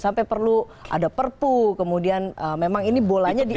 sampai perlu ada perpu kemudian memang ini bolanya di